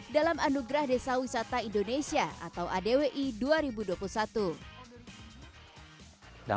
dalam anugerah desa wisata yang terbaik di indonesia